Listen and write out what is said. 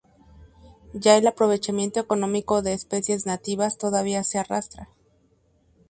Ya el aprovechamiento económico de especies nativas todavía se arrastra.